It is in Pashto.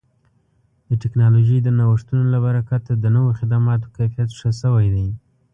د ټکنالوژۍ د نوښتونو له برکته د نوو خدماتو کیفیت ښه شوی دی.